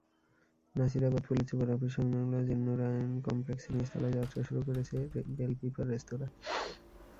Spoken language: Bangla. নাসিরাবাদ পুলিশ সুপার অফিস–সংলগ্ন জিন্নুরাইন কমপ্লেক্সের নিচতলায় যাত্রা শুরু করেছে বেলপিপার রেস্তোরাঁ।